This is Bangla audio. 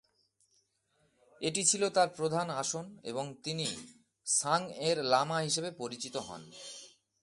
এটি ছিল তার প্রধান আসন এবং তিনি শাং এর লামা হিসাবে পরিচিত হন।